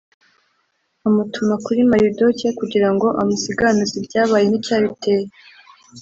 amutuma kuri maridoke kugira ngo amusiganuze ibyabaye n’icyabiteye.